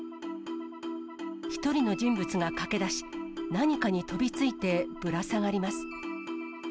１人の人物が駆け出し、何かに飛びついてぶら下がります。